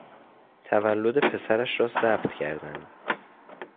تولد پسرش را ثبت کردند.